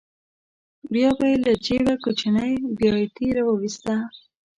بیا به یې له جېبه کوچنۍ بیاتي راوویسته.